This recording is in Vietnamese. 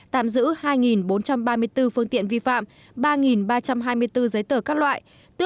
tạm giữ hai bốn trăm ba mươi bốn phương tiện vi phạm ba ba trăm hai mươi bốn giấy tờ các loại tước năm trăm một mươi tám giấy phép lái xe